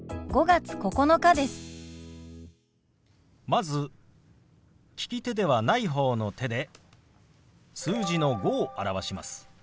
まず利き手ではない方の手で数字の「５」を表します。